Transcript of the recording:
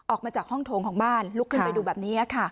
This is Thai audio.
ออกมาจากห้องโถงของบ้านลุกขึ้นไปดูแบบนี้ค่ะ